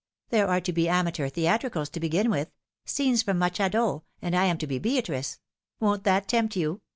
There are to be amateur theatricals to begin with scenes from The Rift in the Lute. 271 Much Ado ; and I am to be Beatrice. Won't that tempt you